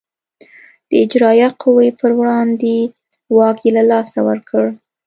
د اجرایه قوې پر وړاندې واک یې له لاسه ورکړ.